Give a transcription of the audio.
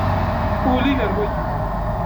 Ulin ar wayyur.